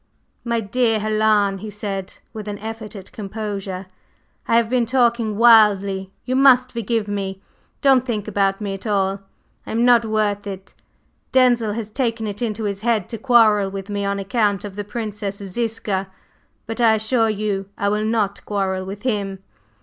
"My dear Helen," he said, with an effort at composure, "I have been talking wildly; you must forgive me! Don't think about me at all; I am not worth it! Denzil has taken it into his head to quarrel with me on account of the Princess Ziska, but I assure you I will not quarrel with him.